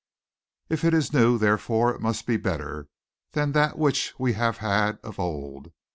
If it is new, therefore it must be better than that which we have had of old.